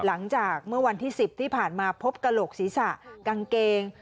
หลังจากเมื่อวันที่๑๐ที่ผ่านมาพบกระโหลกศีรษะกางเกง